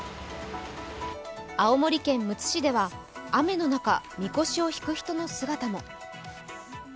青森県むつ市では雨の中、みこしを引く人の姿も。